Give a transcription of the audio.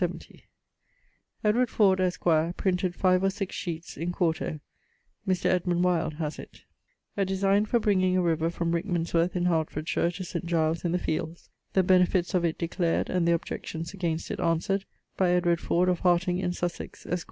Edward Ford, esquire, printed 5 or 6 sheetes in 4to Mr. Edmund Wyld haz it 'A designe for bringing a river from Rickmansworth in Hartfordshire to St. Gyles in the fields, the benefits of it declared and the objections against it answered, by Edward Ford of Harting in Sussex, esq.